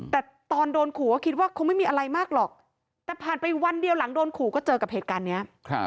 แต่ตอนโดนขู่ก็คิดว่าคงไม่มีอะไรมากหรอกแต่ผ่านไปวันเดียวหลังโดนขู่ก็เจอกับเหตุการณ์นี้